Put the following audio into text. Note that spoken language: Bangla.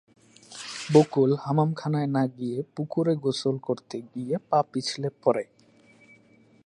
বকুল হামামখানায় না গিয়ে পুকুরে গোসল করতে গিয়ে পা পিছলে পড়ে।